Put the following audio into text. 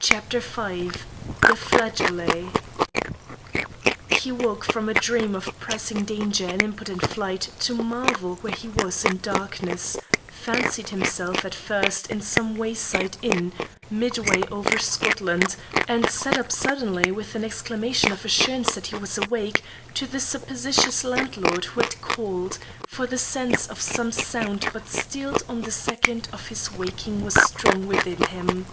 CHAPTER V THE FLAGEOLET He woke from a dream of pressing danger and impotent flight to marvel where he was in darkness; fancied himself at first in some wayside inn mid way over Scotland, and sat up suddenly with an exclamation of assurance that he was awake to the suppositious landlord who had called, for the sense of some sound but stilled on the second of his waking was strong within him.